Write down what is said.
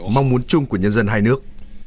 mong muốn chung của nhân dân hai nước